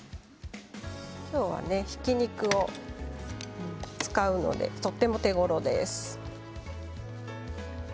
今日は、ひき肉を使うのでとてもお手ごろです。